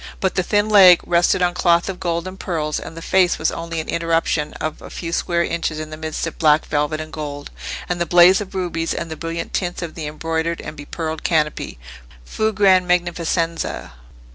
But the thin leg rested on cloth of gold and pearls, and the face was only an interruption of a few square inches in the midst of black velvet and gold, and the blaze of rubies, and the brilliant tints of the embroidered and bepearled canopy,—"fù gran magnificenza."